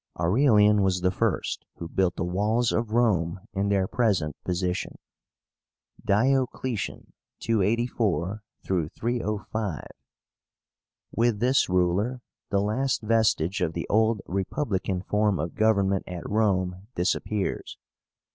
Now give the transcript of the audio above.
Aurelian was the first who built the walls of Rome in their present position. DIOCLETIAN (284 305). With this ruler, the last vestige of the old republican form of government at Rome disappears.